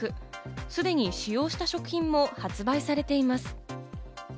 すでに使用した食品も発売されています。